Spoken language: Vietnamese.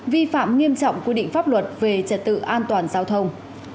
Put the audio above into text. vi phạm nghiêm trọng quy định pháp luật về trật tự an toàn giao thông